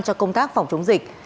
cho công tác phòng chống dịch